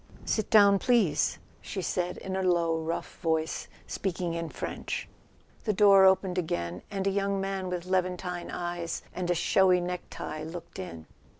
"Sit down, please," she said in a low rough voice, speaking in French. The door opened again, and a young man with Levantine eyes and a showy necktie looked in.